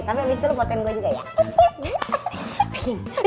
tapi abis itu lo poten gue juga ya